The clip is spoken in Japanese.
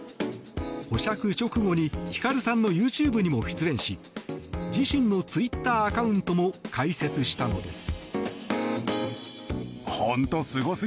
保釈直後に、ヒカルさんのＹｏｕＴｕｂｅにも出演し自身のツイッターアカウントも開設したのです。